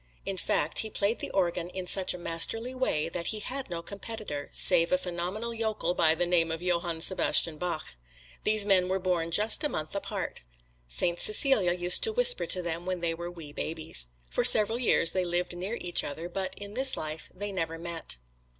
In fact, he played the organ in such a masterly way that he had no competitor, save a phenomenal yokel by the name of Johann Sebastian Bach. These men were born just a month apart. Saint Cecilia used to whisper to them when they were wee babies. For several years they lived near each other, but in this life they never met.